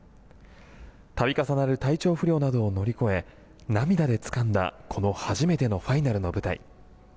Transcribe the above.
度重なる体調不良などを乗り越え涙でつかんだこの初めてのファイナルの舞台。